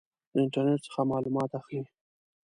د انټرنټ څخه معلومات اخلئ؟